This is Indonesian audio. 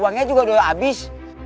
uangnya juga udah abis